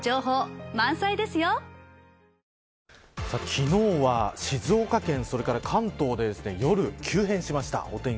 昨日は静岡県、それから関東で夜、お天気が急変しました。